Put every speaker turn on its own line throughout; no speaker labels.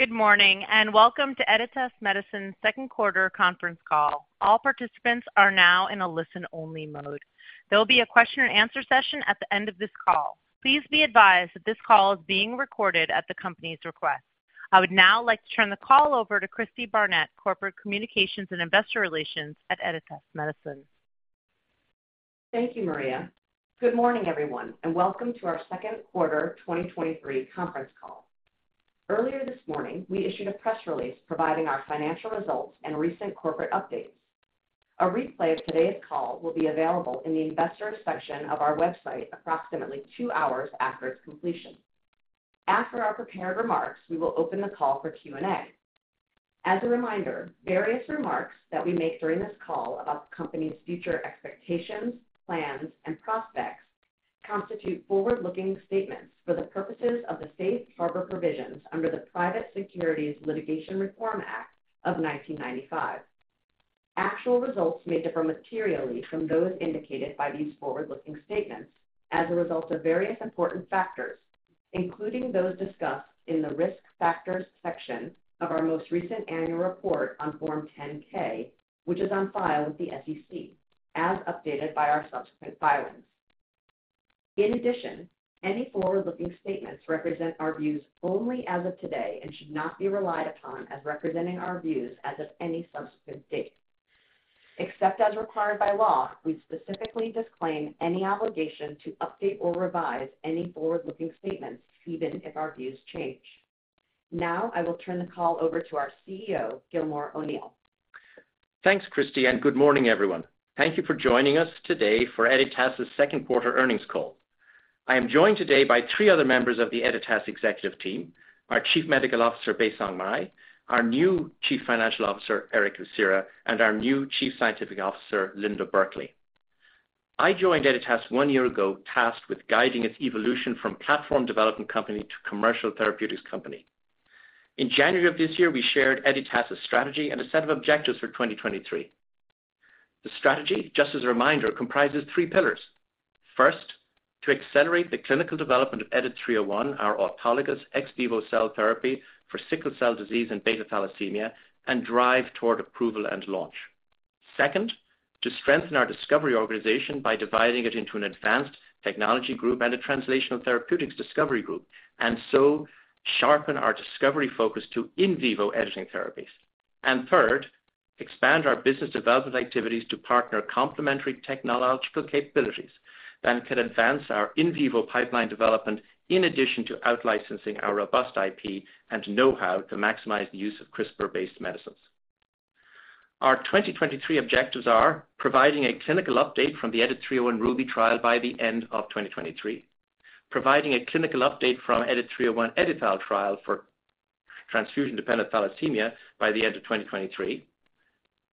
Good morning, and welcome to Editas Medicine's second quarter conference call. All participants are now in a listen-only mode. There will be a question-and-answer session at the end of this call. Please be advised that this call is being recorded at the company's request. I would now like to turn the call over to Cristy Barnett, Corporate Communications and Investor Relations at Editas Medicine.
Thank you, Maria. Good morning, everyone, and welcome to our second quarter 2023 conference call. Earlier this morning, we issued a press release providing our financial results and recent corporate updates. A replay of today's call will be available in the Investors section of our website approximately two hours after its completion. After our prepared remarks, we will open the call for Q&A. As a reminder, various remarks that we make during this call about the company's future expectations, plans, and prospects constitute forward-looking statements for the purposes of the Safe Harbor Provisions under the Private Securities Litigation Reform Act of 1995. Actual results may differ materially from those indicated by these forward-looking statements as a result of various important factors, including those discussed in the Risk Factors section of our most recent annual report on Form 10-K, which is on file with the SEC, as updated by our subsequent filings. In addition, any forward-looking statements represent our views only as of today and should not be relied upon as representing our views as of any subsequent date. Except as required by law, we specifically disclaim any obligation to update or revise any forward-looking statements, even if our views change. Now, I will turn the call over to our CEO, Gilmore O'Neill.
Thanks, Cristy. Good morning, everyone. Thank you for joining us today for Editas' second quarter earnings call. I am joined today by three other members of the Editas executive team, our Chief Medical Officer, Baisong Mei, our new Chief Financial Officer, Erick Lucera, and our new Chief Scientific Officer, Linda Burkly. I joined Editas one year ago, tasked with guiding its evolution from platform development company to commercial therapeutics company. In January of this year, we shared Editas' strategy and a set of objectives for 2023. The strategy, just as a reminder, comprises three pillars. First, to accelerate the clinical development of EDIT-301, our autologous ex vivo cell therapy for sickle cell disease and beta thalassemia, and drive toward approval and launch. Second, to strengthen our discovery organization by dividing it into an advanced technology group and a translational therapeutics discovery group, and so sharpen our discovery focus to in vivo editing therapies. Third, expand our business development activities to partner complementary technological capabilities that can advance our in vivo pipeline development, in addition to outlicensing our robust IP and know-how to maximize the use of CRISPR-based medicines. Our 2023 objectives are: providing a clinical update from the EDIT-301 RUBY trial by the end of 2023; providing a clinical update from EDIT-301 EdiTHAL trial for transfusion-dependent thalassemia by the end of 2023;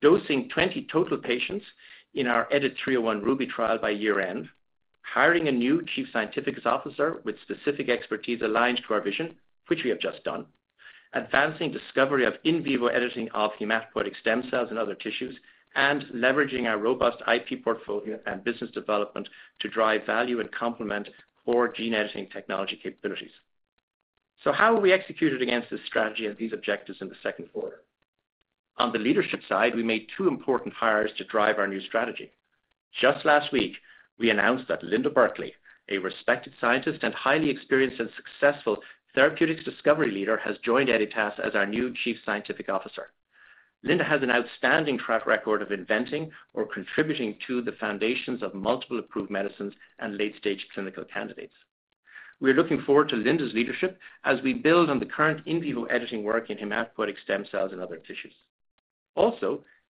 dosing 20 total patients in our EDIT-301 RUBY trial by year-end; hiring a new chief scientific officer with specific expertise aligned to our vision, which we have just done; advancing discovery of in vivo editing of hematopoietic stem cells and other tissues; and leveraging our robust IP portfolio and business development to drive value and complement core gene editing technology capabilities. How have we executed against this strategy and these objectives in the second quarter? On the leadership side, we made two important hires to drive our new strategy. Just last week, we announced that Linda Burkly, a respected scientist and highly experienced and successful therapeutics discovery leader, has joined Editas as our new Chief Scientific Officer. Linda has an outstanding track record of inventing or contributing to the foundations of multiple approved medicines and late-stage clinical candidates. We are looking forward to Linda's leadership as we build on the current in vivo editing work in hematopoietic stem cells and other tissues.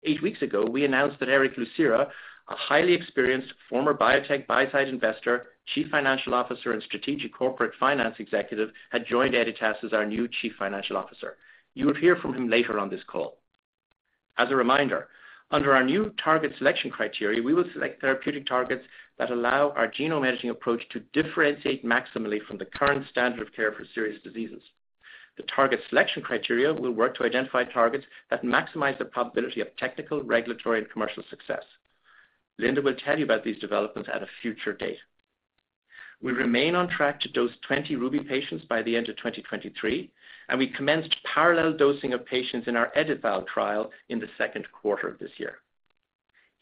8 weeks ago, we announced that Erick Lucera, a highly experienced former biotech buy-side investor, Chief Financial Officer, and strategic corporate finance executive, had joined Editas as our new Chief Financial Officer. You will hear from him later on this call. As a reminder, under our new target selection criteria, we will select therapeutic targets that allow our genome editing approach to differentiate maximally from the current standard of care for serious diseases. The target selection criteria will work to identify targets that maximize the probability of technical, regulatory, and commercial success. Linda will tell you about these developments at a future date. We remain on track to dose 20 RUBY patients by the end of 2023, and we commenced parallel dosing of patients in our EdiTHAL trial in the second quarter of this year.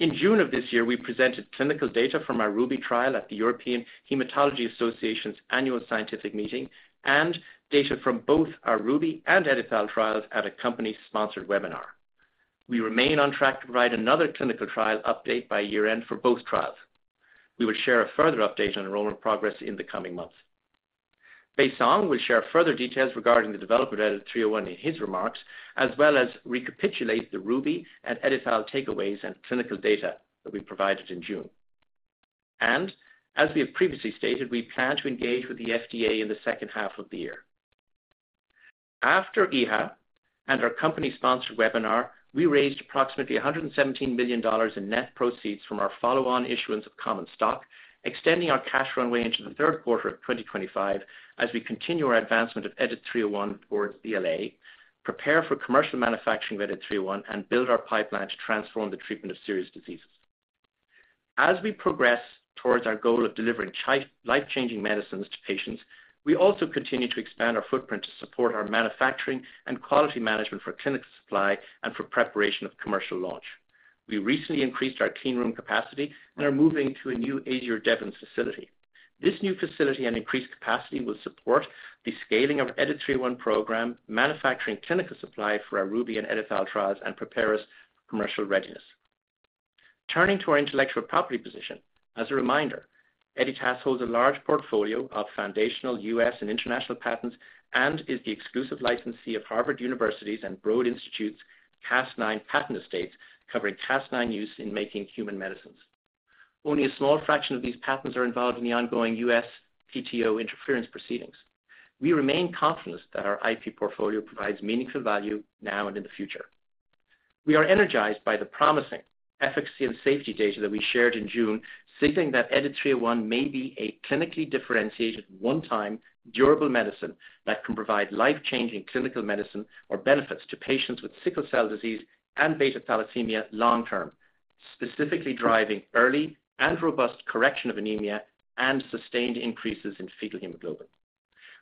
In June of this year, we presented clinical data from our RUBY trial at the European Hematology Association's annual scientific meeting and data from both our RUBY and EdiTHAL trials at a company-sponsored webinar. We remain on track to provide another clinical trial update by year-end for both trials. We will share a further update on enrollment progress in the coming months. Baisong will share further details regarding the development of EDIT-301 in his remarks, as well as recapitulate the RUBY and EdiTHAL takeaways and clinical data that we provided in June. As we have previously stated, we plan to engage with the FDA in the second half of the year. After EHA and our company-sponsored webinar, we raised approximately $117 million in net proceeds from our follow-on issuance of common stock, extending our cash runway into the third quarter of 2025 as we continue our advancement of EDIT-301 towards BLA, prepare for commercial manufacturing of EDIT-301, and build our pipeline to transform the treatment of serious diseases. As we progress towards our goal of delivering life-changing medicines to patients, we also continue to expand our footprint to support our manufacturing and quality management for clinical supply and for preparation of commercial launch. We recently increased our clean room capacity and are moving to a new Azzur Devens facility. This new facility and increased capacity will support the scaling of EDIT-301 program, manufacturing clinical supply for our RUBY and EdiTHAL trials, and prepare us for commercial readiness. Turning to our intellectual property position, as a reminder, Editas holds a large portfolio of foundational U.S. and international patents and is the exclusive licensee of Harvard University's and Broad Institute's Cas9 patent estates, covering Cas9 use in making human medicines. Only a small fraction of these patents are involved in the ongoing U.S. PTO interference proceedings. We remain confident that our IP portfolio provides meaningful value now and in the future. We are energized by the promising efficacy and safety data that we shared in June, stating that EDIT-301 may be a clinically differentiated, one-time, durable medicine that can provide life-changing clinical medicine or benefits to patients with sickle cell disease and beta thalassemia long term, specifically driving early and robust correction of anemia and sustained increases in fetal hemoglobin.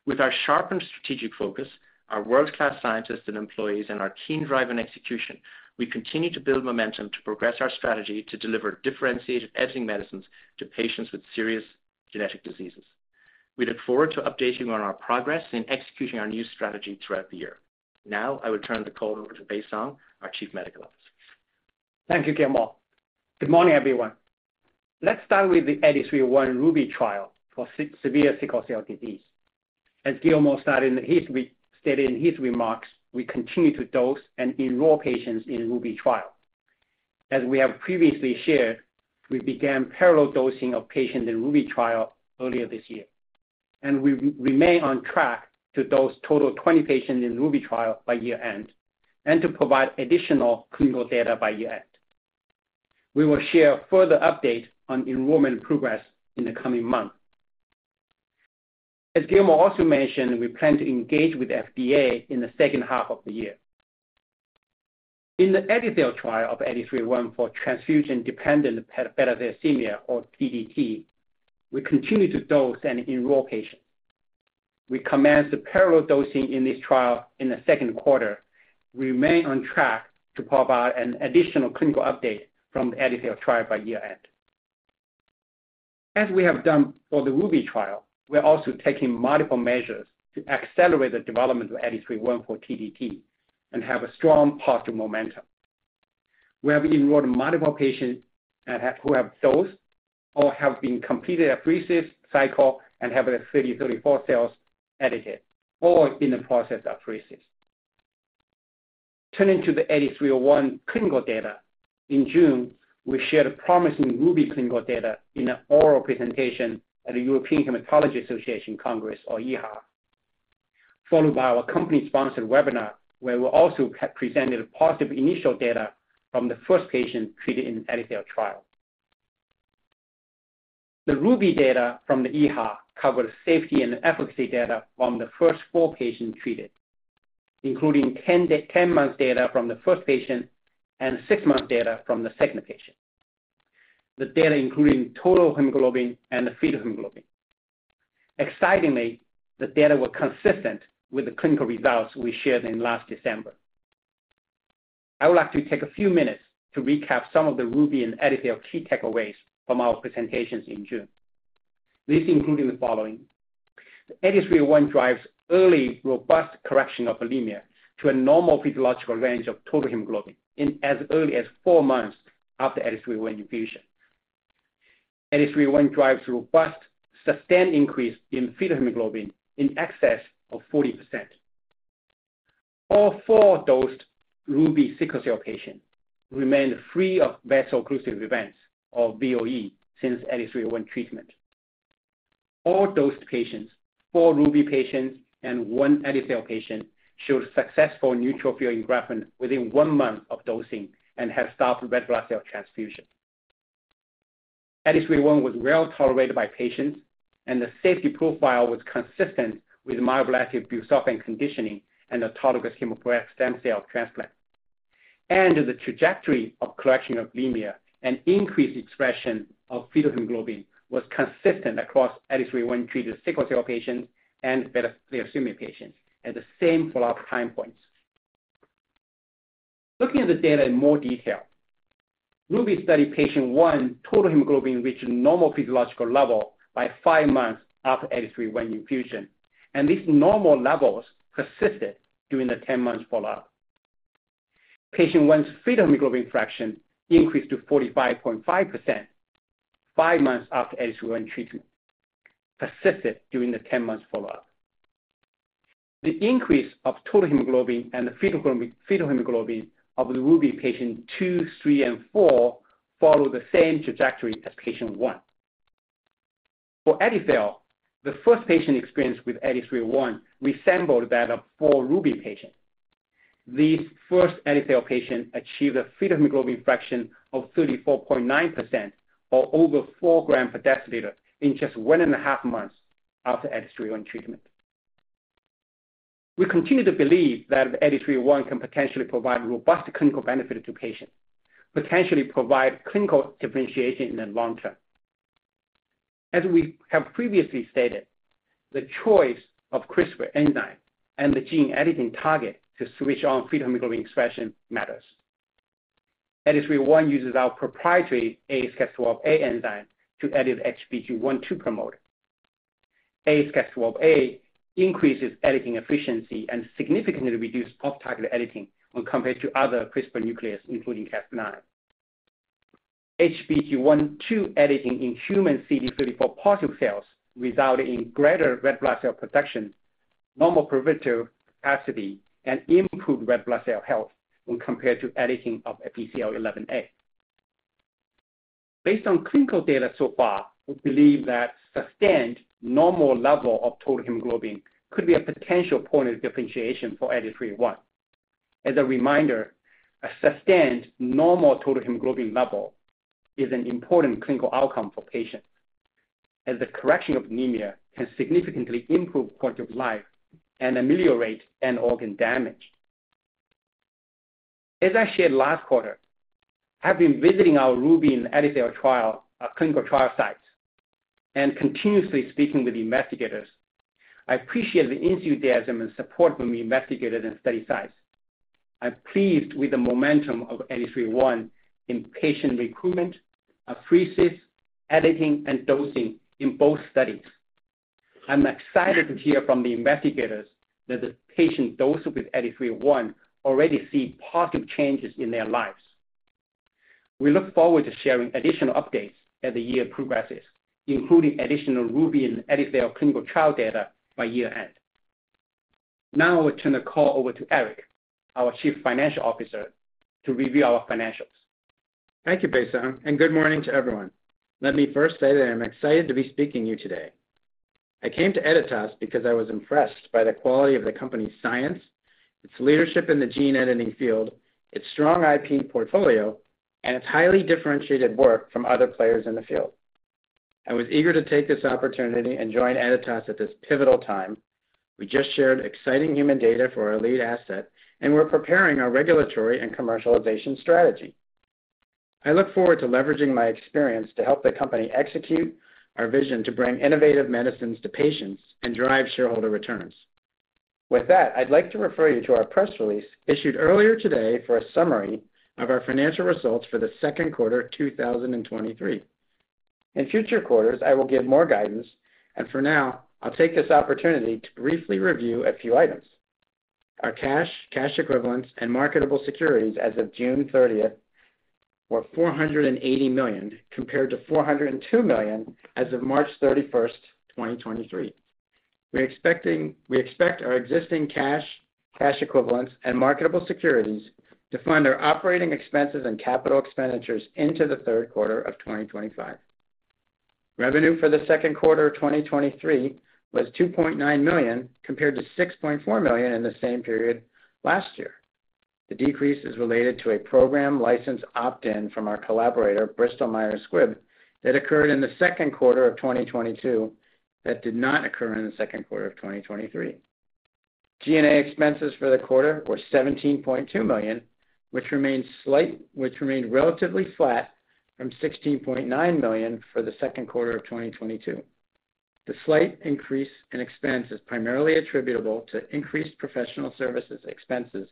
With our sharpened strategic focus, our world-class scientists and employees, and our keen drive and execution, we continue to build momentum to progress our strategy to deliver differentiated editing medicines to patients with serious genetic diseases. We look forward to updating you on our progress in executing our new strategy throughout the year. Now, I will turn the call over to Baisong Mei, our Chief Medical Officer.
Thank you, Gilmore. Good morning, everyone. Let's start with the EDIT-301 RUBY trial for severe sickle cell disease. As Gilmore said in his stated in his remarks, we continue to dose and enroll patients in RUBY trial. As we have previously shared, we began parallel dosing of patients in RUBY trial earlier this year, and we remain on track to dose total 20 patients in RUBY trial by year-end, and to provide additional clinical data by year-end. We will share further update on enrollment progress in the coming months. As Gilmore also mentioned, we plan to engage with FDA in the second half of the year. In the EdiTHAL trial of EDIT-301 for transfusion-dependent beta thalassemia, or TDT, we continue to dose and enroll patients. We commenced the parallel dosing in this trial in the second quarter. We remain on track to provide an additional clinical update from the EdiTHAL trial by year-end. As we have done for the RUBY trial, we are also taking multiple measures to accelerate the development of EDIT-301 for TDT and have a strong positive momentum. We have enrolled multiple patients who have dosed or have been completed an apheresis cycle and have 30, 34 cells edited or in the process of apheresis. Turning to the EDIT-301 clinical data, in June, we shared promising RUBY clinical data in an oral presentation at a European Hematology Association Congress, or EHA, followed by our company-sponsored webinar, where we also presented positive initial data from the first patient treated in the EdiTHAL trial. The RUBY data from the EHA covered safety and efficacy data from the first four patients treated, including 10-month data from the first patient and 6-month data from the second patient. The data including total hemoglobin and the fetal hemoglobin. Excitingly, the data were consistent with the clinical results we shared in last December. I would like to take a few minutes to recap some of the RUBY and EdiTHAL key takeaways from our presentations in June. These include the following: The EDIT-301 drives early, robust correction of anemia to a normal physiological range of total hemoglobin in as early as four months after EDIT-301 infusion. EDIT-301 drives robust, sustained increase in fetal hemoglobin in excess of 40%. All four dosed RUBY sickle cell patients remain free of vaso-occlusive events, or VOE, since EDIT-301 treatment. All dosed patients, 4 Ruby patients and 1 EdiTHAL patient, showed successful neutrophil engraftment within 1 month of dosing and have stopped red blood cell transfusion. EDIT-301 was well tolerated by patients, the safety profile was consistent with myeloablative busulfan conditioning and autologous hematopoietic stem cell transplant. The trajectory of correction of anemia and increased expression of fetal hemoglobin was consistent across EDIT-301-treated sickle cell patients and beta thalassemia patients at the same follow-up time points. Looking at the data in more detail, Ruby study patient 1 total hemoglobin reached normal physiological level by five months after EDIT-301 infusion, and these normal levels persisted during the 10-month follow-up. Patient 1's fetal hemoglobin fraction increased to 45.5% five months after EDIT-301 treatment, persisted during the 10-month follow-up. The increase of total hemoglobin and the fetal hemoglobin of the RUBY patient two, three, and four followed the same trajectory as Patient 1. For EdiTHAL, the first patient experience with EDIT-301 resembled that of four RUBY patients. This first EdiTHAL patient achieved a fetal hemoglobin fraction of 34.9%, or over four grams per deciliter, in just one and a half months after EDIT-301 treatment. We continue to believe that EDIT-301 can potentially provide robust clinical benefit to patients, potentially provide clinical differentiation in the long term. As we have previously stated, the choice of CRISPR enzyme and the gene-editing target to switch on fetal hemoglobin expression matters. EDIT-301 uses our proprietary AsCas12a enzyme to edit HBG1/2 promoter. AsCas12a increases editing efficiency and significantly reduce off-target editing when compared to other CRISPR nuclease, including Cas9. HBG1/2 editing in human CD34+ cells, resulting in greater red blood cell protection, normal predictive capacity, and improved red blood cell health when compared to editing of BCL11A. Based on clinical data so far, we believe that sustained normal level of total hemoglobin could be a potential point of differentiation for EDIT-301. As a reminder, a sustained normal total hemoglobin level is an important clinical outcome for patients, as the correction of anemia can significantly improve quality of life and ameliorate end organ damage. As I shared last quarter, I've been visiting our RUBY and EdiTHAL trial, our clinical trial sites, and continuously speaking with investigators. I appreciate the enthusiasm and support from the investigators and study sites. I'm pleased with the momentum of EDIT-301 in patient recruitment, apheresis, editing, and dosing in both studies. I'm excited to hear from the investigators that the patients dosed with EDIT-301 already see positive changes in their lives. We look forward to sharing additional updates as the year progresses, including additional RUBY and EdiTHAL clinical trial data by year-end. I will turn the call over to Erick, our Chief Financial Officer, to review our financials.
Thank you, Baisong Mei. Good morning to everyone. Let me first say that I'm excited to be speaking to you today. I came to Editas because I was impressed by the quality of the company's science, its leadership in the gene editing field, its strong IP portfolio, and its highly differentiated work from other players in the field. I was eager to take this opportunity and join Editas at this pivotal time. We just shared exciting human data for our lead asset, and we're preparing our regulatory and commercialization strategy. I look forward to leveraging my experience to help the company execute our vision to bring innovative medicines to patients and drive shareholder returns. With that, I'd like to refer you to our press release issued earlier today for a summary of our financial results for the 2Q 2023. In future quarters, I will give more guidance, and for now, I'll take this opportunity to briefly review a few items. Our cash, cash equivalents, and marketable securities as of June 30th, were $480 million, compared to $402 million as of March 31, 2023. We expect our existing cash, cash equivalents, and marketable securities to fund our operating expenses and capital expenditures into the 3Q 2025. Revenue for the 2Q 2023 was $2.9 million, compared to $6.4 million in the same period last year. The decrease is related to a program license opt-in from our collaborator, Bristol Myers Squibb, that occurred in the 2Q 2022 that did not occur in the 2Q 2023. G&A expenses for the quarter were $17.2 million, which remained relatively flat from $16.9 million for the second quarter of 2022. The slight increase in expense is primarily attributable to increased professional services expenses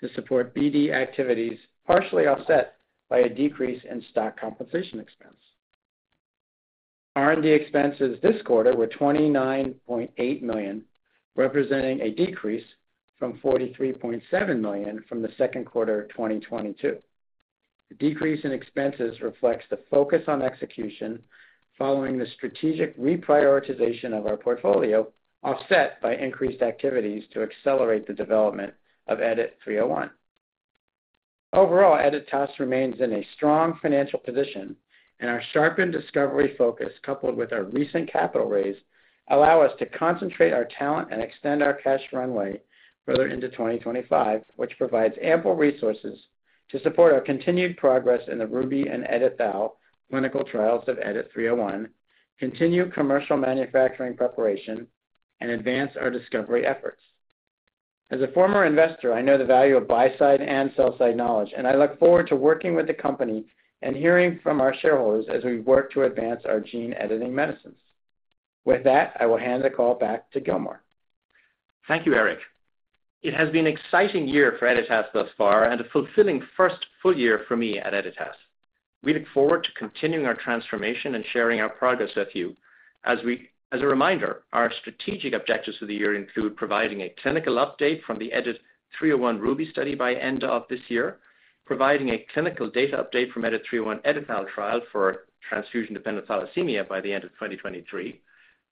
to support BD activities, partially offset by a decrease in stock compensation expense. R&D expenses this quarter were $29.8 million, representing a decrease from $43.7 million from the second quarter of 2022. The decrease in expenses reflects the focus on execution following the strategic reprioritization of our portfolio, offset by increased activities to accelerate the development of EDIT-301. Overall, Editas remains in a strong financial position, and our sharpened discovery focus, coupled with our recent capital raise, allow us to concentrate our talent and extend our cash runway further into 2025, which provides ample resources to support our continued progress in the RUBY and EdiTHAL clinical trials of EDIT-301, continue commercial manufacturing preparation, and advance our discovery efforts. As a former investor, I know the value of buy side and sell side knowledge, and I look forward to working with the company and hearing from our shareholders as we work to advance our gene-editing medicines. With that, I will hand the call back to Gilmore.
Thank you, Erick. It has been an exciting year for Editas thus far and a fulfilling first full year for me at Editas. We look forward to continuing our transformation and sharing our progress with you. As a reminder, our strategic objectives for the year include providing a clinical update from the EDIT-301 RUBY study by end of this year, providing a clinical data update from EDIT-301 EdiTHAL trial for transfusion dependent thalassemia by the end of 2023,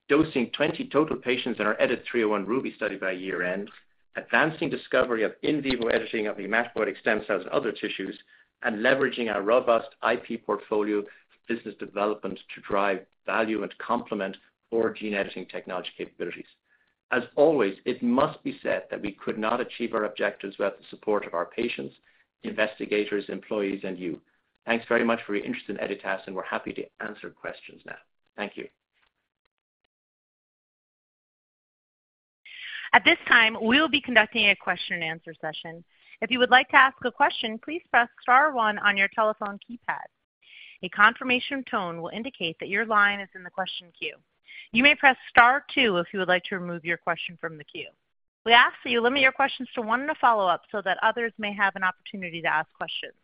dosing 20 total patients in our EDIT-301 RUBY study by year-end, advancing discovery of in vivo editing of hematopoietic stem cells and other tissues, and leveraging our robust IP portfolio for business development to drive value and complement our gene editing technology capabilities. As always, it must be said that we could not achieve our objectives without the support of our patients, investigators, employees, and you. Thanks very much for your interest in Editas, and we're happy to answer questions now. Thank you.
At this time, we will be conducting a question and answer session. If you would like to ask a question, please press star one on your telephone keypad. A confirmation tone will indicate that your line is in the question queue. You may press star two if you would like to remove your question from the queue. We ask that you limit your questions to one and a follow-up so that others may have an opportunity to ask questions.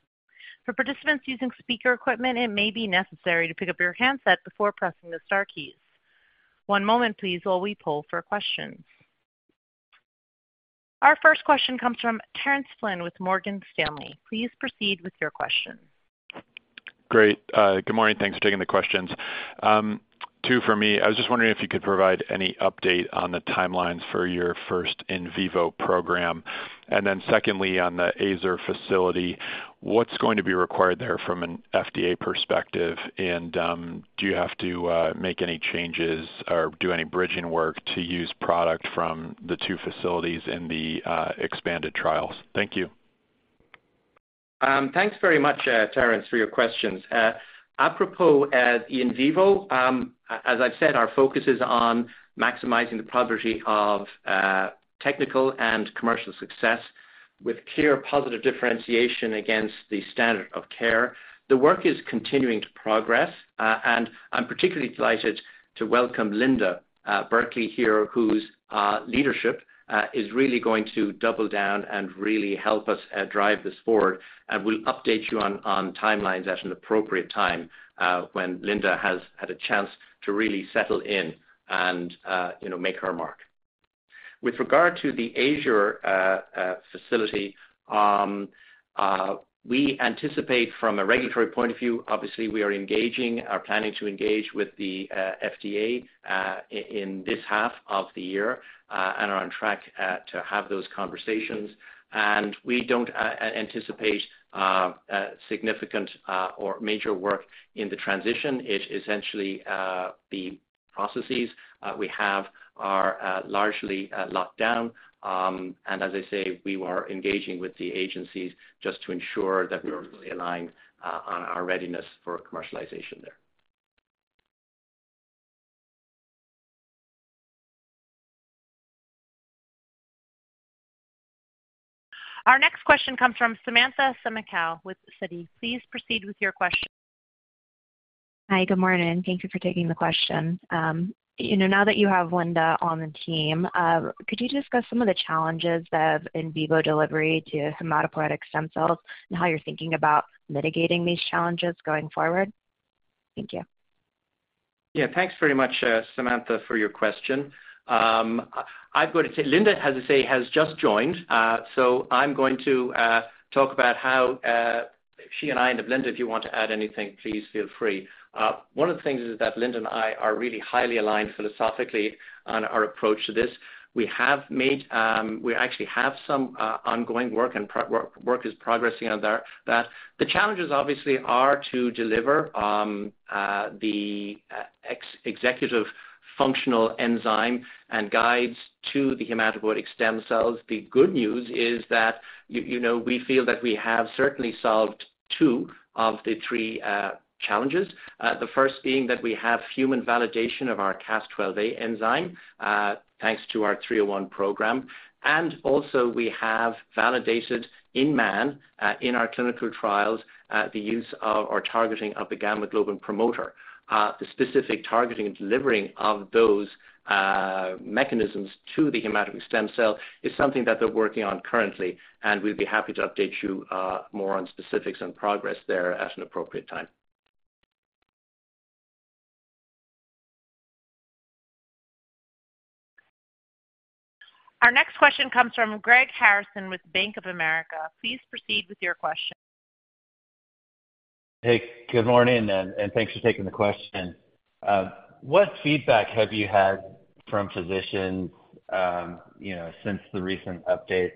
For participants using speaker equipment, it may be necessary to pick up your handset before pressing the star keys. One moment, please, while we poll for questions. Our first question comes from Terence Flynn with Morgan Stanley. Please proceed with your question.
Great. Good morning. Thanks for taking the questions. Two for me. I was just wondering if you could provide any update on the timelines for your first in vivo program. Then secondly, on the Azenta facility, what's going to be required there from an FDA perspective? Do you have to make any changes or do any bridging work to use product from the two facilities in the expanded trials? Thank you.
Thanks very much, Terence, for your questions. Apropos the in vivo, as I've said, our focus is on maximizing the progeny of technical and commercial success with clear positive differentiation against the standard of care. The work is continuing to progress. I'm particularly delighted to welcome Linda Burkly here, whose leadership is really going to double down and really help us drive this forward. We'll update you on, on timelines at an appropriate time, when Linda has had a chance to really settle in and, you know, make her mark. With regard to the Azenta facility, we anticipate from a regulatory point of view, obviously, we are engaging or planning to engage with the FDA in this half of the year and are on track to have those conversations. We don't anticipate significant or major work in the transition. It essentially, the processes we have are largely locked down. As I say, we are engaging with the agencies just to ensure that we are fully aligned on our readiness for commercialization there.
Our next question comes from Samantha Semenkow with Citi. Please proceed with your question.
Hi, good morning. Thank you for taking the question. You know, now that you have Linda on the team, could you discuss some of the challenges of in vivo delivery to hematopoietic stem cells and how you're thinking about mitigating these challenges going forward? Thank you.
Yeah, thanks very much, Samantha, for your question. Linda, has to say, has just joined, so I'm going to talk about how she and I, and Linda, if you want to add anything, please feel free. One of the things is that Linda and I are really highly aligned philosophically on our approach to this. We have made, we actually have some ongoing work, and work is progressing on there, that. The challenges, obviously, are to deliver the executive functional enzyme and guides to the hematopoietic stem cells. The good news is that, you know, we feel that we have certainly solved two of the three challenges. The first being that we have human validation of our Cas12a enzyme, thanks to our 301 program, and also we have validated in man, in our clinical trials, the use of our targeting of the gamma-globin promoter. The specific targeting and delivering of those mechanisms to the hematopoietic stem cell is something that they're working on currently, and we'd be happy to update you more on specifics and progress there at an appropriate time.
Our next question comes from Greg Harrison with Bank of America. Please proceed with your question.
Hey, good morning, and thanks for taking the question. What feedback have you had from physicians, you know, since the recent update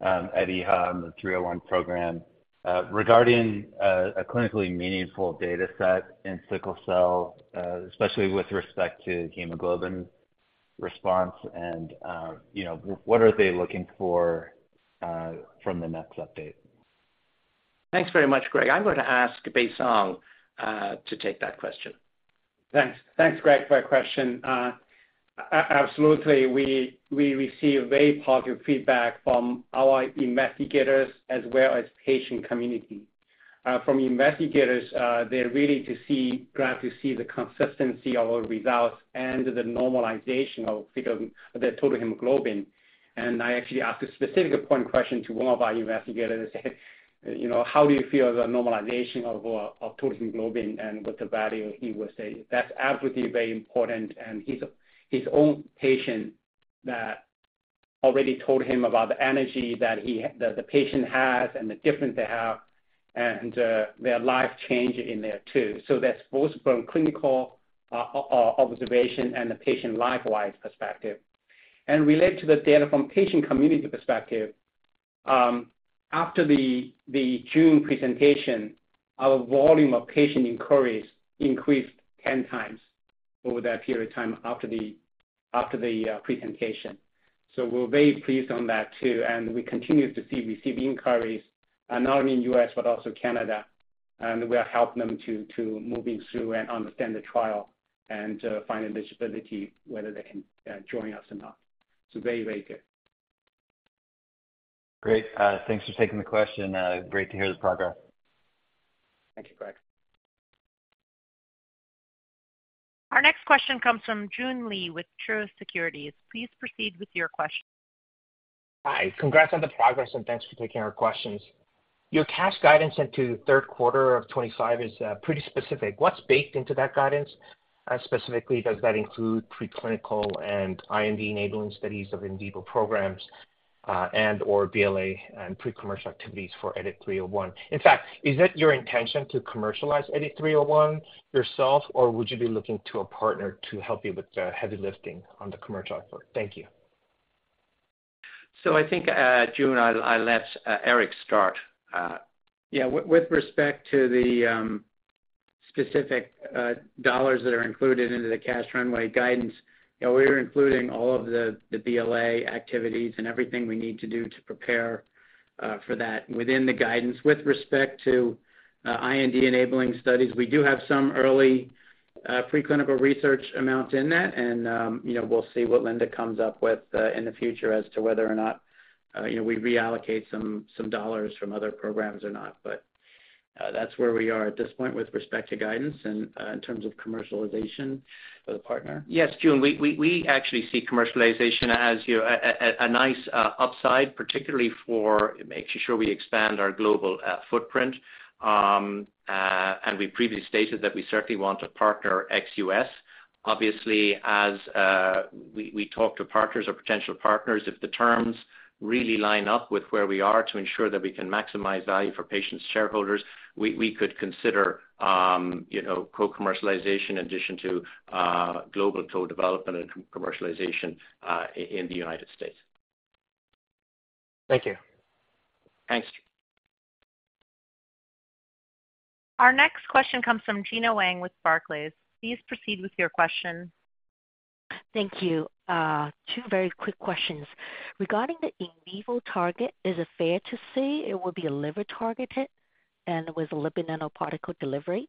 at EHA on the 301 program regarding a clinically meaningful data set in sickle cell, especially with respect to hemoglobin response and, you know, what are they looking for from the next update?
Thanks very much, Greg. I'm going to ask Baisong Mei to take that question.
Thanks. Thanks, Greg, for that question. Absolutely, we, we receive very positive feedback from our investigators as well as patient community. From investigators, they're really glad to see the consistency of our results and the normalization of the total hemoglobin. I actually asked a specific point question to one of our investigators and said: "You know, how do you feel the normalization of total hemoglobin and with the value?" He would say, "That's absolutely very important." His, his own patient that already told him about the energy that he, that the patient has and the difference they have, and their life change in there, too. That's both from clinical observation and the patient life-wise perspective. Relate to the data from patient community perspective, after the, the June presentation, our volume of patient inquiries increased 10 times over that period of time after the, after the presentation.
We're very pleased on that, too, and we continue to see, receive inquiries, not only in U.S., but also Canada, and we are helping them to, to moving through and understand the trial and find eligibility, whether they can join us or not. Very, very good.
Great. Thanks for taking the question. Great to hear the progress.
Thank you, Greg.
Our next question comes from Joon Lee with Truist Securities. Please proceed with your question.
Hi. Congrats on the progress, and thanks for taking our questions. Your cash guidance into the third quarter of 2025 is pretty specific. What's baked into that guidance? Specifically, does that include preclinical and IND-enabling studies of in vivo programs, and/or BLA and pre-commercial activities for EDIT-301? In fact, is it your intention to commercialize EDIT-301 yourself, or would you be looking to a partner to help you with the heavy lifting on the commercial effort? Thank you.
I think, Joon, I'll, I'll let Erick start.
Yeah. With respect to the specific dollars that are included into the cash runway guidance, you know, we're including all of the BLA activities and everything we need to do to prepare for that within the guidance. With respect to IND-enabling studies, we do have some early preclinical research amounts in that, and, you know, we'll see what Lynda comes up with in the future as to whether or not, you know, we reallocate some dollars from other programs or not. That's where we are at this point with respect to guidance and in terms of commercialization with a partner.
Yes, Joon, we, we, we actually see commercialization as, you, a, a, a nice upside, particularly for making sure we expand our global footprint. We previously stated that we certainly want to partner ex-US. Obviously, as we, we talk to partners or potential partners, if the terms really line up with where we are to ensure that we can maximize value for patients, shareholders, we, we could consider, you know, co-commercialization in addition to global co-development and commercialization i-in the United States.
Thank you.
Thanks, Joon.
Our next question comes from Gena Wang with Barclays. Please proceed with your question.
Thank you. Two very quick questions. Regarding the in vivo target, is it fair to say it will be a liver-targeted and with a lipid nanoparticle delivery?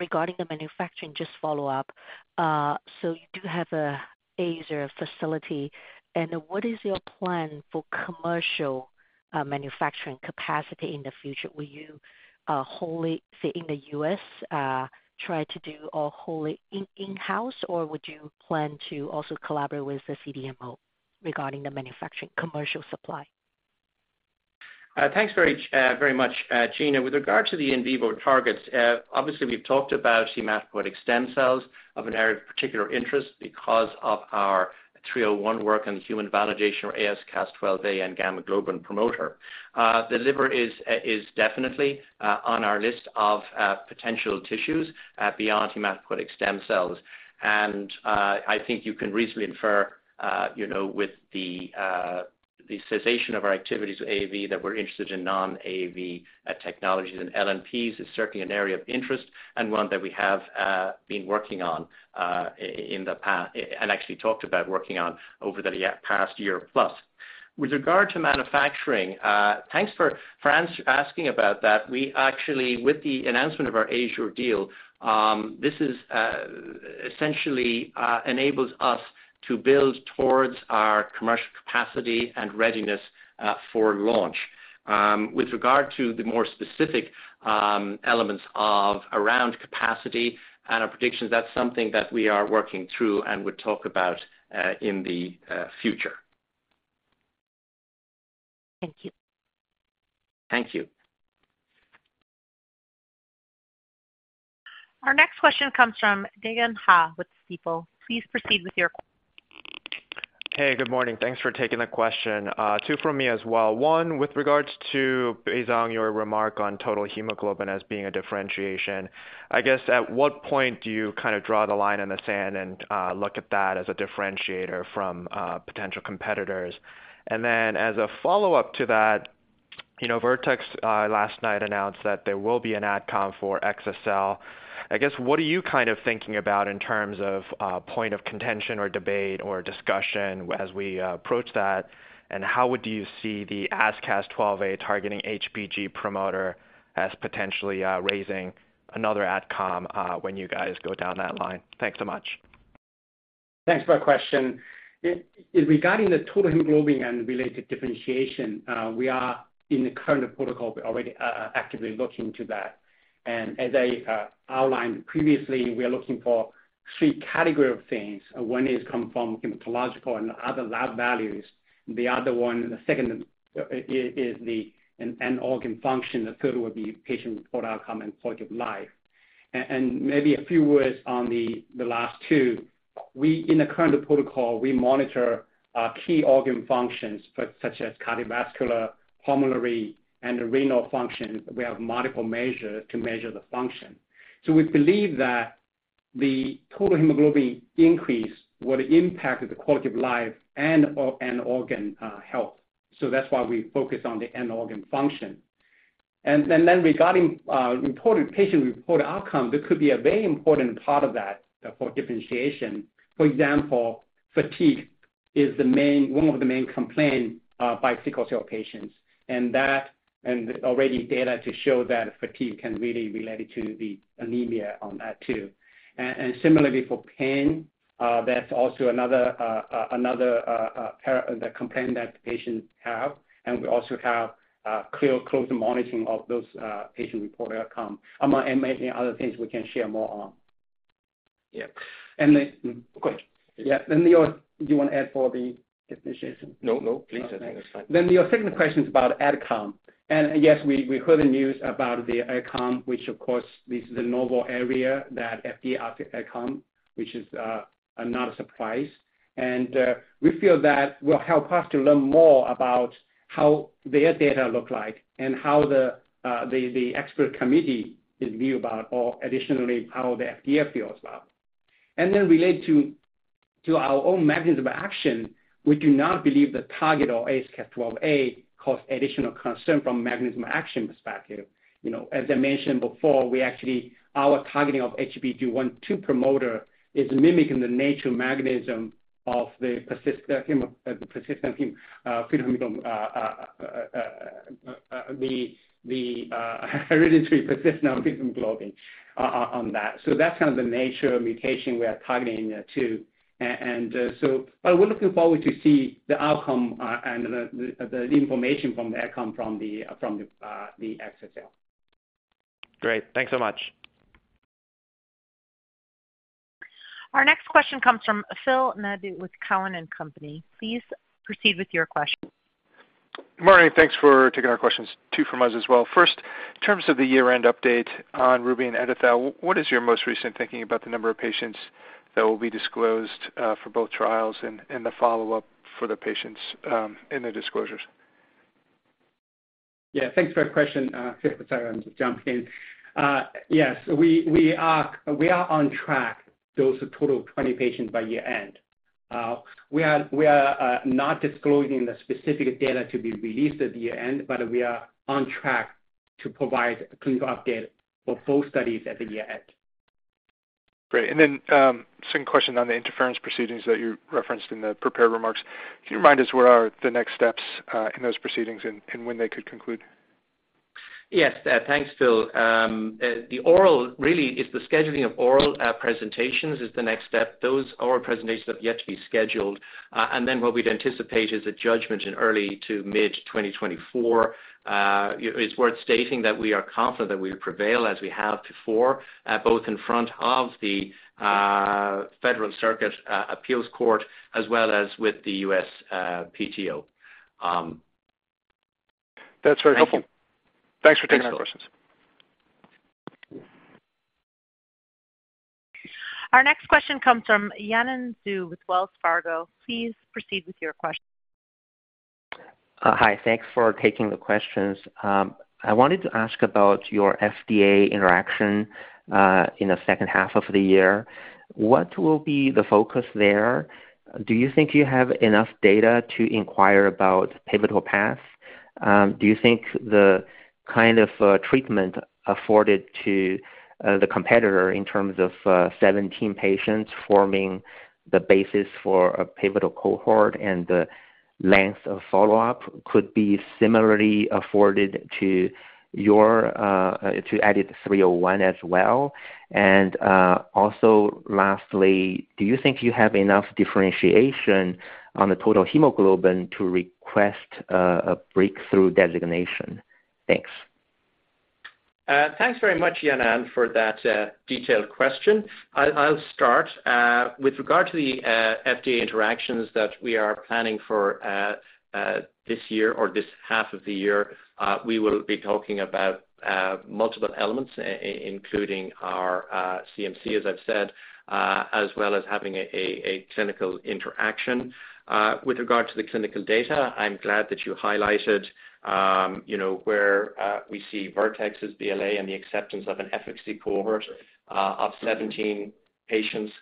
Regarding the manufacturing, just follow up, so you do have a Azenta facility, and what is your plan for commercial manufacturing capacity in the future? Will you, wholly, say, in the U.S., try to do all wholly in, in-house, or would you plan to also collaborate with the CDMO regarding the manufacturing commercial supply?
Thanks very much, Gina. With regard to the in vivo targets, obviously, we've talked about hematopoietic stem cells of an area of particular interest because of our 301 work on the human validation or AsCas12a and gamma-globin promoter. The liver is definitely on our list of potential tissues beyond hematopoietic stem cells. I think you can reasonably infer, you know, with the cessation of our activities with AAV, that we're interested in non-AAV technologies, and LNPs is certainly an area of interest and one that we have been working on in the past. Actually talked about working on over the past year plus. With regard to manufacturing, thanks for asking about that. We actually, with the announcement of our Azenta deal, this is, essentially, enables us to build towards our commercial capacity and readiness, for launch. With regard to the more specific, elements of around capacity and our predictions, that's something that we are working through and would talk about, in the, future.
Thank you.
Thank you.
Our next question comes from Dae Gon Ha with Stifel. Please proceed with your question.
Hey, good morning. Thanks for taking the question. Two from me as well. One, with regards to Baisong Mei, your remark on total hemoglobin as being a differentiation, I guess, at what point do you kind of draw the line in the sand and look at that as a differentiator from potential competitors? As a follow-up to that, you know, Vertex last night announced that there will be an AdCom for Exa-cel. I guess, what are you kind of thinking about in terms of point of contention or debate or discussion as we approach that, and how would you see the AsCas12a targeting HBG promoter as potentially raising another AdCom when you guys go down that line? Thanks so much.
Thanks for that question. It. Regarding the total hemoglobin and related differentiation, we are in the current protocol, we're already actively looking into that. As I outlined previously, we are looking for three category of things. One is come from hematological and other lab values. The other one, the second, is the end organ function. The third would be patient reported outcome and quality of life. Maybe a few words on the last two. We In the current protocol, we monitor key organ functions, but such as cardiovascular, pulmonary, and renal function. We have multiple measure to measure the function. We believe that the total hemoglobin increase will impact the quality of life and end organ health. That's why we focus on the end organ function. Then regarding reported patient-reported outcome, this could be a very important part of that for differentiation. For example, fatigue is the main one of the main complaint by sickle cell patients, and that, already data to show that fatigue can really related to the anemia on that, too. Similarly for pain, that's also another another the complaint that patients have, and we also have clear close monitoring of those patient-reported outcome, among many other things we can share more on.
Yeah.
And then-
Go ahead.
Yeah, do you want to add for the differentiation?
No, no, please. I think that's fine.
Your second question is about AdCom. Yes, we, we heard the news about the AdCom, which of course, this is a normal area that FDA ask AdCom, which is not a surprise. We feel that will help us to learn more about how their data look like and how the, the expert committee is view about, or additionally, how the FDA feels about. Relate to, to our own mechanism of action, we do not believe the target of AsCas12a cause additional concern from mechanism action perspective. You know, as I mentioned before, we actually, our targeting of HBG1/2 promoter is mimicking the natural mechanism of hereditary persistence of fetal hemoglobin on that. That's kind of the nature of mutation we are targeting there, too. We're looking forward to see the outcome, and the, the, the information from the AdCom from the, from the, the Exa-cel.
Great. Thanks so much.
Our next question comes from Phil Nadeau with Cowen and Company. Please proceed with your question.
Morning. Thanks for taking our questions, two from us as well. First, in terms of the year-end update on RUBY and EdiTHAL, what is your most recent thinking about the number of patients that will be disclosed for both trials and, and the follow-up for the patients in the disclosures?
Yeah, thanks for that question, Phil. Sorry, I'm just jumping in. Yes, we, we are, we are on track to those total of 20 patients by year-end. We are, we are, not disclosing the specific data to be released at the year-end, but we are on track to provide a clinical update for both studies at the year-end.
Great. Then, second question on the interference proceedings that you referenced in the prepared remarks. Can you remind us what are the next steps in those proceedings and when they could conclude?
Yes, thanks, Phil. The oral, really, it's the scheduling of oral presentations is the next step. Those oral presentations have yet to be scheduled. What we'd anticipate is a judgment in early to mid 2024. It's worth stating that we are confident that we prevail as we have before, both in front of the Federal Circuit Appeals Court, as well as with the U.S. PTO.
That's very helpful.
Thank you.
Thanks for taking our questions.
Thanks.
Our next question comes from Yanan Zhu with Wells Fargo. Please proceed with your question.
Hi, thanks for taking the questions. I wanted to ask about your FDA interaction in the second half of the year. What will be the focus there? Do you think you have enough data to inquire about pivotal path? Do you think the kind of treatment afforded to the competitor in terms of 17 patients forming the basis for a pivotal cohort and the length of follow-up could be similarly afforded to your to EDIT-301 as well? Also, lastly, do you think you have enough differentiation on the total hemoglobin to request a Breakthrough Therapy designation? Thanks.
Thanks very much, Yanan, for that, detailed question. I'll, I'll start. With regard to the FDA interactions that we are planning for this year or this half of the year, we will be talking about multiple elements, including our CMC, as I've said, as well as having a clinical interaction. With regard to the clinical data, I'm glad that you highlighted, you know, where we see Vertex's BLA and the acceptance of an efficacy cohort of 17 patients,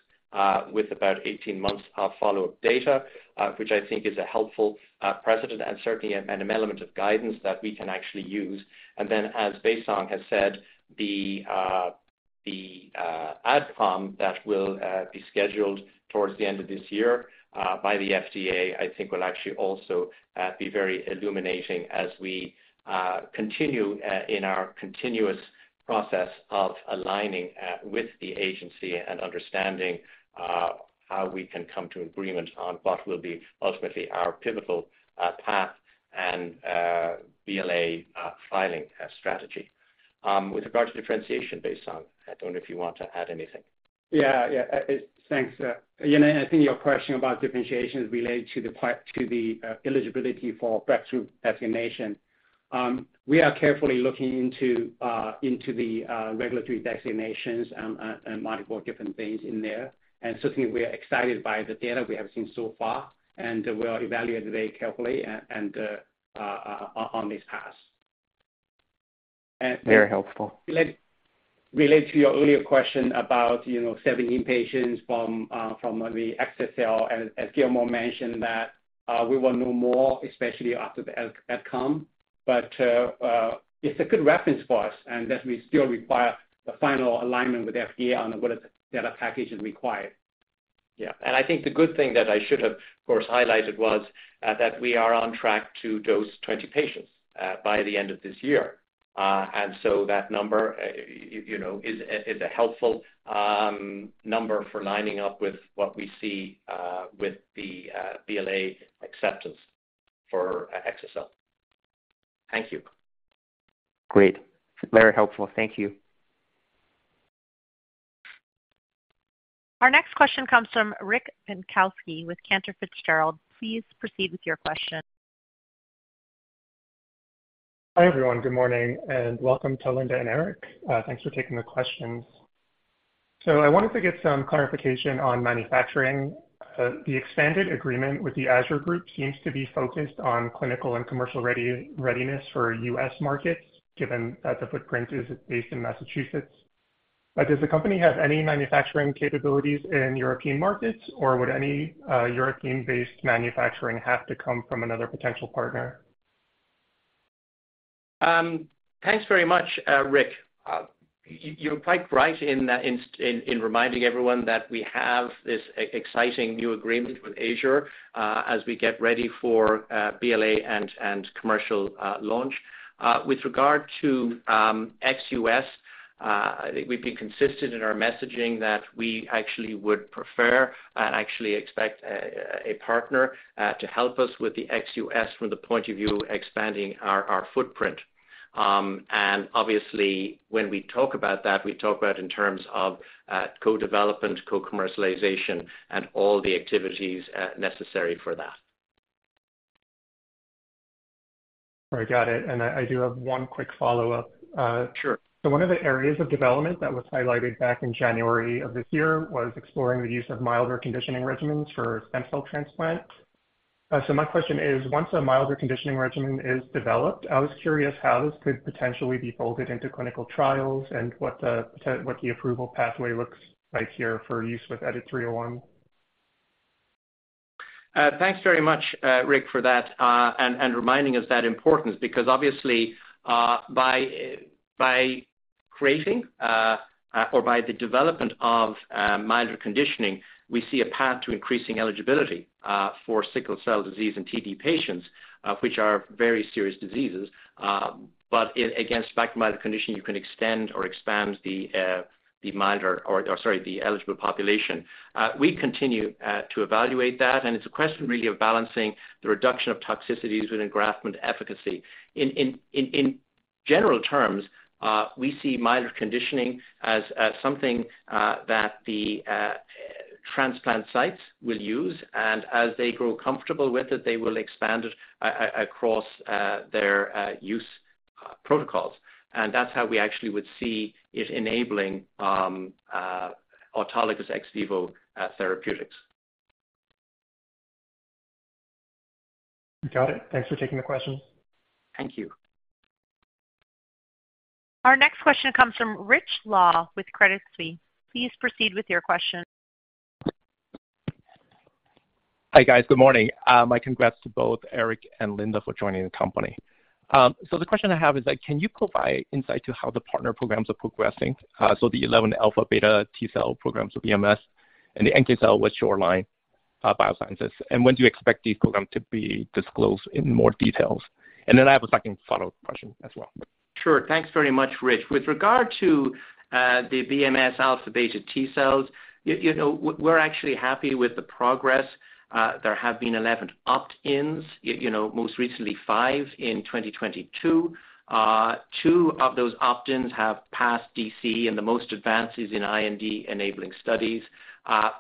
with about 18 months of follow-up data, which I think is a helpful precedent and certainly an element of guidance that we can actually use. Then, as Baisong has said, the, the Ad Comm that will be scheduled towards the end of this year, by the FDA, I think will actually also be very illuminating as we continue in our continuous process of aligning with the agency and understanding how we can come to agreement on what will be ultimately our pivotal path and BLA filing strategy. With regard to differentiation, Beisong, I don't know if you want to add anything.
Yeah, yeah. Thanks. Yanan, I think your question about differentiation is related to the part, to the eligibility for Breakthrough designation. We are carefully looking into, into the regulatory designations and, and, and multiple different things in there. Certainly, we are excited by the data we have seen so far, and we are evaluating very carefully and on this path.
Very helpful. ...
relate to your earlier question about, you know, saving inpatients from, from the Exa-cel. As Gilmore mentioned, that, we will know more, especially after the outcome. It's a good reference for us. That we still require the final alignment with FDA on what data package is required.
I think the good thing that I should have, of course, highlighted was that we are on track to dose 20 patients by the end of this year. That number, you know, is, is a helpful number for lining up with what we see with the BLA acceptance for Exa-cel. Thank you.
Great. Very helpful. Thank you.
Our next question comes from Rick Bienkowski with Cantor Fitzgerald. Please proceed with your question.
Hi, everyone. Good morning, and welcome to Linda and Eric. Thanks for taking the questions. I wanted to get some clarification on manufacturing. The expanded agreement with the Azenta Group seems to be focused on clinical and commercial readiness for U.S. markets, given that the footprint is based in Massachusetts. Does the company have any manufacturing capabilities in European markets, or would any European-based manufacturing have to come from another potential partner?
Thanks very much, Rick. You're quite right in reminding everyone that we have this exciting new agreement with Azenta as we get ready for BLA and commercial launch. With regard to ex-US, I think we've been consistent in our messaging that we actually would prefer and actually expect a partner to help us with the ex-U.S. from the point of view, expanding our footprint. Obviously, when we talk about that, we talk about in terms of co-development, co-commercialization, and all the activities necessary for that.
I got it, and I, I do have one quick follow-up.
Sure.
One of the areas of development that was highlighted back in January of this year was exploring the use of milder conditioning regimens for stem cell transplant. My question is, once a milder conditioning regimen is developed, I was curious how this could potentially be folded into clinical trials and what the, what the approval pathway looks like here for use with EDIT-301.
Thanks very much, Rick, for that, and reminding us that importance, because obviously, by creating, or by the development of, milder conditioning, we see a path to increasing eligibility for sickle cell disease and TD patients, which are very serious diseases. Again, back to milder conditioning, you can extend or expand the milder... or, sorry, the eligible population. We continue to evaluate that, and it's a question really of balancing the reduction of toxicities with engraftment efficacy. In general terms, we see milder conditioning as something that the transplant sites will use, and as they grow comfortable with it, they will expand it across their use protocols. That's how we actually would see it enabling autologous ex vivo therapeutics.
Got it. Thanks for taking the questions.
Thank you.
Our next question comes from Rich Law with Credit Suisse. Please proceed with your question.
Hi, guys. Good morning. My congrats to both Erick and Linda for joining the company. So the question I have is that, can you provide insight to how the partner programs are progressing? So the 11 alpha-beta T-cell programs with BMS and the NK cell with Shoreline Biosciences, and when do you expect these programs to be disclosed in more details? I have a second follow-up question as well.
Sure. Thanks very much, Rich. With regard to the BMS alpha-beta T-cells, you, you know, we're actually happy with the progress. There have been 11 opt-ins, y-you know, most recently 5 in 2022. 2 of those opt-ins have passed D.C., and the most advanced is in IND-enabling studies.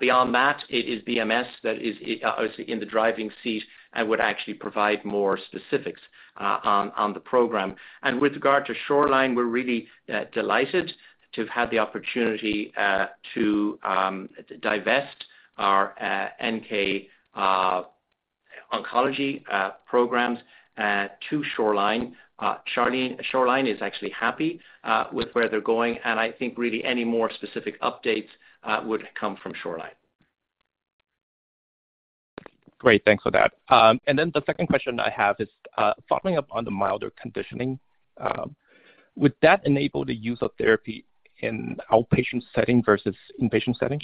Beyond that, it is BMS that is, obviously in the driving seat and would actually provide more specifics on the program. With regard to Shoreline, we're really delighted to have had the opportunity to divest our NK oncology programs to Shoreline. Shoreline is actually happy with where they're going, and I think really any more specific updates would come from Shoreline.
Great. Thanks for that. Then the 2nd question I have is, following up on the milder conditioning, would that enable the use of therapy in outpatient setting versus inpatient setting?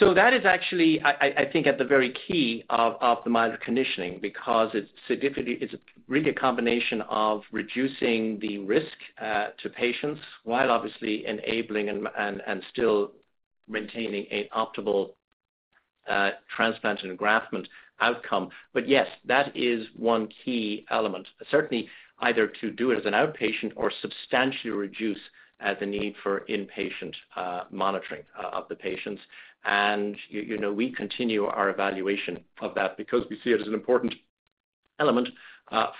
That is actually, I, I, I think, at the very key of, of the milder conditioning, because it's significantly, it's really a combination of reducing the risk to patients while obviously enabling and, and, and still maintaining an optimal transplant and engraftment outcome. Yes, that is one key element. Certainly, either to do it as an outpatient or substantially reduce the need for inpatient monitoring of the patients. You know, we continue our evaluation of that because we see it as an important element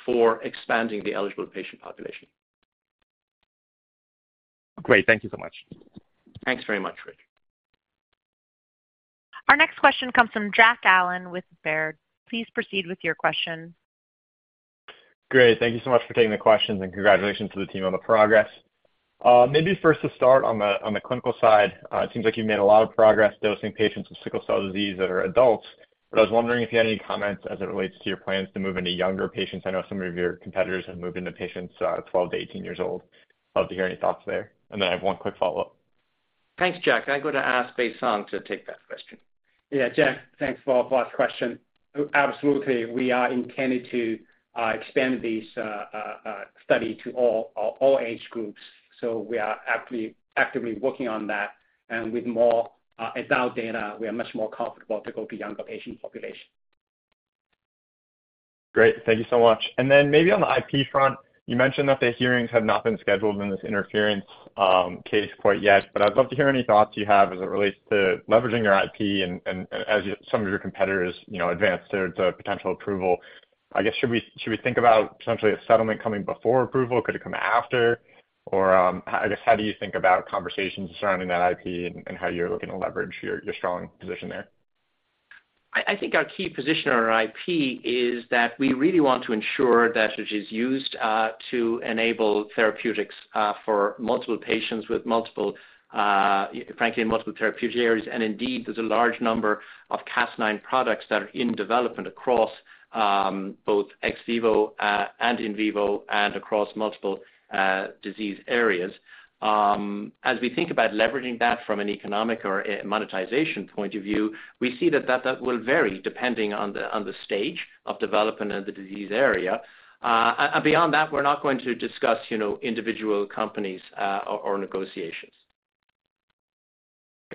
for expanding the eligible patient population.
Great. Thank you so much.
Thanks very much, Rich.
Our next question comes from Jack Allen with Baird. Please proceed with your question.
Great, thank you so much for taking the questions. Congratulations to the team on the progress. Maybe first to start on the clinical side, it seems like you've made a lot of progress dosing patients with sickle cell disease that are adults. I was wondering if you had any comments as it relates to your plans to move into younger patients. I know some of your competitors have moved into patients, 12 to 18 years old. Love to hear any thoughts there. Then I have one quick follow-up.
Thanks, Jack. I'm going to ask Baisong to take that question.
Yeah, Jack, thanks for, for that question. Absolutely, we are intending to expand this study to all, all age groups. We are actively, actively working on that. With more adult data, we are much more comfortable to go to younger patient population.
Great, thank you so much. Then maybe on the IP front, you mentioned that the hearings have not been scheduled in this interference case quite yet, but I'd love to hear any thoughts you have as it relates to leveraging your IP and, and as some of your competitors, you know, advance to potential approval. I guess, should we, should we think about potentially a settlement coming before approval? Could it come after? I guess, how do you think about conversations surrounding that IP and, and how you're looking to leverage your, your strong position there?
I, I think our key position on our IP is that we really want to ensure that it is used to enable therapeutics for multiple patients with multiple, frankly, in multiple therapeutic areas. Indeed, there's a large number of Cas9 products that are in development across both ex vivo and in vivo, and across multiple disease areas. As we think about leveraging that from an economic or a monetization point of view, we see that that will vary depending on the stage of development and the disease area. Beyond that, we're not going to discuss, you know, individual companies or negotiations.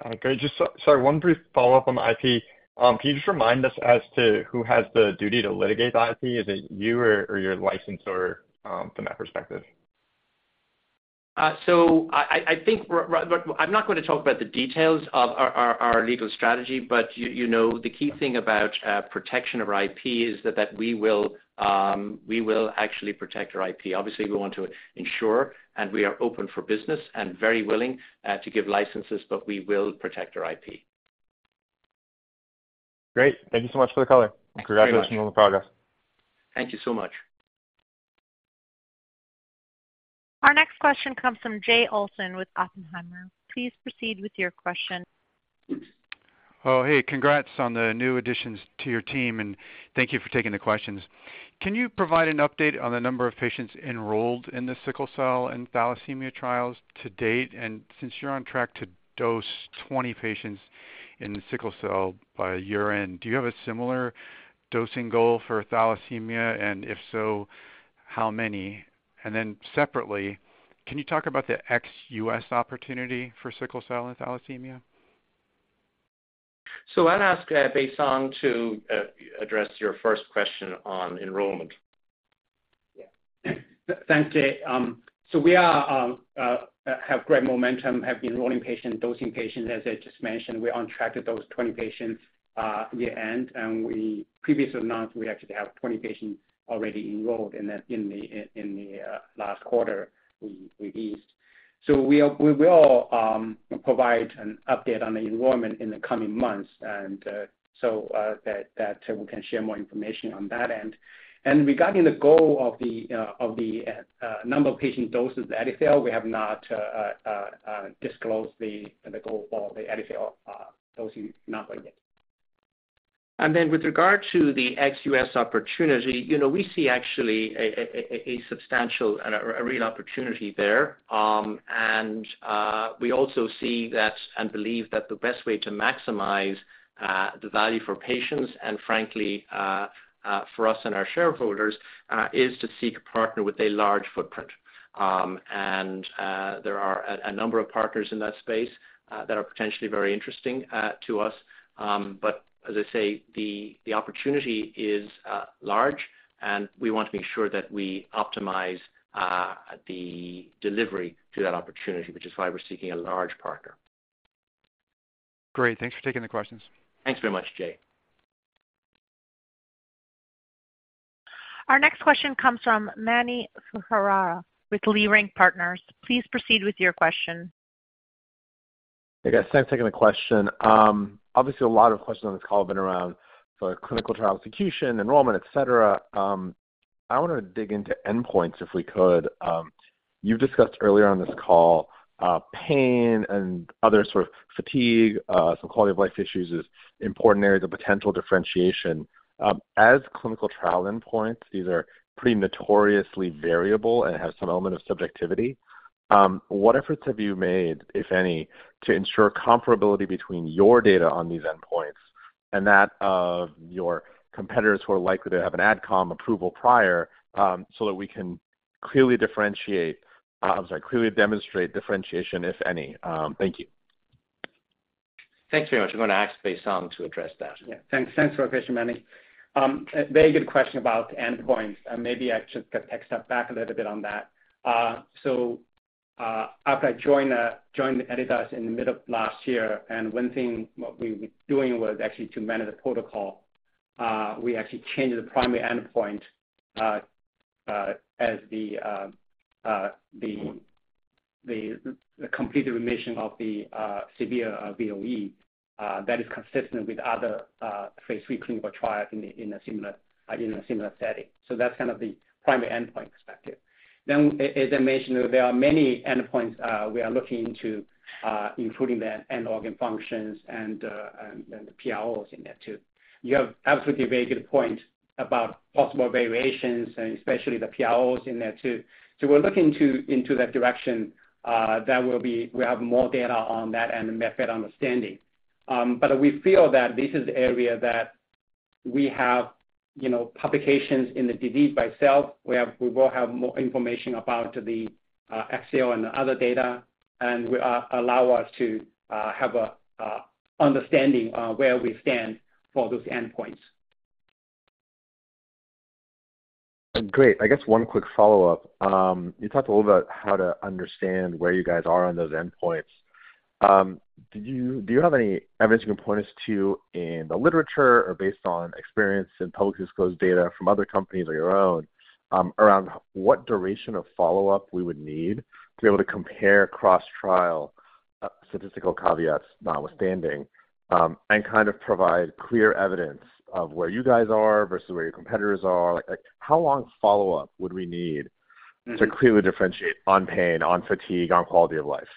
Got it. Just, sorry, one brief follow-up on the IP. Can you just remind us as to who has the duty to litigate the IP? Is it you or your licensor, from that perspective?
I, I, I think, well, look, I'm not going to talk about the details of our, our, our legal strategy, but you, you know, the key thing about protection of our IP is that, that we will, we will actually protect our IP. Obviously, we want to ensure, and we are open for business and very willing to give licenses, but we will protect our IP.
Great. Thank you so much for the color-
Thank you very much.
Congratulations on the progress.
Thank you so much.
Our next question comes from Jay Olson with Oppenheimer. Please proceed with your question.
Oh, hey, congrats on the new additions to your team, and thank you for taking the questions. Can you provide an update on the number of patients enrolled in the sickle cell and thalassemia trials to date? Since you're on track to dose 20 patients in the sickle cell by year-end, do you have a similar dosing goal for thalassemia? If so, how many? Separately, can you talk about the ex-US opportunity for sickle cell and thalassemia?
I'll ask, Baisong to address your first question on enrollment.
Yeah. Thank, Jay. We are have great momentum, have been enrolling patients, dosing patients. As I just mentioned, we're on track to dose 20 patients year-end, and we previously announced we actually have 20 patients already enrolled in the last quarter we released. We, we will provide an update on the enrollment in the coming months, and that we can share more information on that end. Regarding the goal of the number of patient doses, the Editasil, we have not disclosed the goal for the Editasil dosing number yet.
Then with regard to the ex-US opportunity, you know, we see actually substantial and real opportunity there. We also see that and believe that the best way to maximize the value for patients and frankly, for us and our shareholders, is to seek a partner with a large footprint. There are number of partners in that space that are potentially very interesting to us. As I say, opportunity is large, and we want to make sure that we optimize the delivery to that opportunity, which is why we're seeking a large partner.
Great. Thanks for taking the questions.
Thanks very much, Jay.
Our next question comes from Manny Hererra with Leerink Partners. Please proceed with your question.
Hey, guys. Thanks for taking the question. Obviously, a lot of questions on this call have been around the clinical trial execution, enrollment, et cetera. I want to dig into endpoints if we could. You've discussed earlier on this call, pain and other sort of fatigue, some quality-of-life issues is important areas of potential differentiation. As clinical trial endpoints, these are pretty notoriously variable and have some element of subjectivity. What efforts have you made, if any, to ensure comparability between your data on these endpoints and that of your competitors who are likely to have an AdCom approval prior, so that we can clearly differentiate, I'm sorry, clearly demonstrate differentiation, if any? Thank you.
Thanks very much. I'm going to ask Baisong to address that.
Yeah. Thanks. Thanks for the question, Manny. A very good question about endpoints, and maybe I should take a step back a little bit on that. After I joined, joined Editas in the middle of last year, and one thing what we were doing was actually to manage the protocol, we actually changed the primary endpoint, as the complete remission of the severe VOE, that is consistent with other, phase 3 clinical trials in a similar, in a similar setting. That's kind of the primary endpoint expected. As I mentioned, there are many endpoints, we are looking into, including the end organ functions and, and the PLOs in there, too. You have absolutely a very good point about possible variations and especially the PLOS in there, too. We're looking into that direction, that will be we have more data on that and a better understanding. We feel that this is the area that we have, you know, publications in the disease by itself, we will have more information about the axio and the other data, and will allow us to have a understanding of where we stand for those endpoints.
Great. I guess one quick follow-up. You talked a little about how to understand where you guys are on those endpoints. Do you have any evidence you can point us to in the literature, or based on experience and publicly disclosed data from other companies or your own, around what duration of follow-up we would need to be able to compare cross-trial, statistical caveats notwithstanding, and kind of provide clear evidence of where you guys are versus where your competitors are? Like, how long follow-up would we need?
Mm-hmm.
to clearly differentiate on pain, on fatigue, on quality of life?